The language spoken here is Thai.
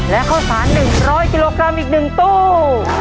และข้าวสาร๑๐๐กิโลกรัมอีก๑ตู้